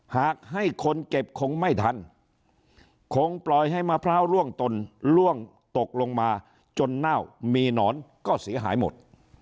หากให้คนเก็บคงไม่ทันคงปล่อยให้มะพร้าวล่วงตนล่วงตกลงมาจนเน่ามีหนอนก็เสียหายหมด